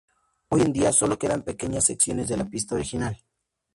Hoy en día solo quedan pequeñas secciones de la pista original.